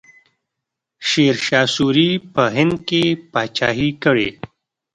شیرشاه سوري په هند کې پاچاهي کړې.